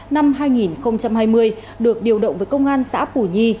năm hai nghìn hai mươi được điều động với công an xã bù nhi